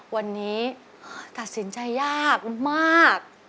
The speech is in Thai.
วันนี้ตัดสินใจยากมาก